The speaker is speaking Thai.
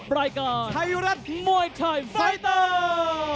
รายการไทยรัฐมวยไทยไฟเตอร์